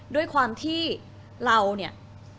ด้วยความที่เราเนี่ย